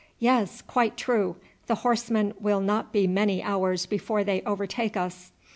"Yes, quite true. The horsemen will not be many hours before they overtake us."